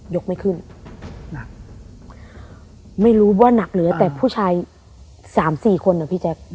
ยกไม่ขึ้นไม่รู้ว่านักหรือแต่ผู้ชาย๓๔คนอะพี่แจ๊ก